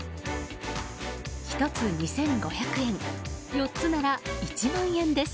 １つ、２５００円４つなら１万円です。